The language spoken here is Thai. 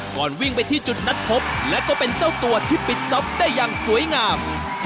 ก่อนวิ่งไปที่จุดนัดพบและก็เป็นเจ้าตัวที่ปิดจ๊อปได้อย่างสวยงาม